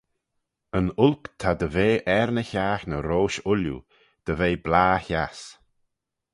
"Yn olk ta dy ve er ny haghney roish ooilley; dy ve blah-hiass."